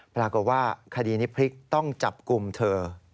ปรากฏว่าคดีนี้พลิกต้องจับกลุ่มเธอ